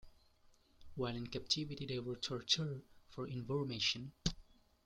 While in captivity they were tortured for information.